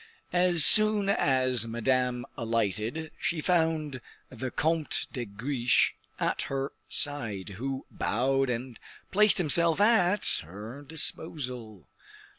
As soon as Madame alighted, she found the Comte de Guiche at her side, who bowed and placed himself at her disposal.